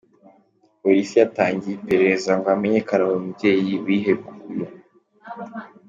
Poilisi yatangiye iperereza ngo hamenyekane uyu mubyeyi wihekuye.